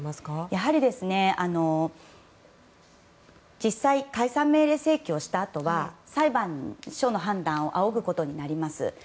やはり、実際解散命令請求をしたあとは裁判所の判断を仰ぐことになります。